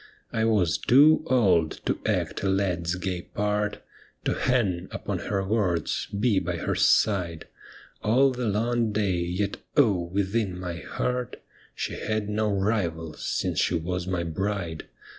I was too old to act a lad's gay part, To hang upon her words, be by her side All the long day, yet oh 1 within my heart She had no rival since she was my bride.